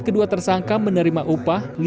kedua tersangka menerima upah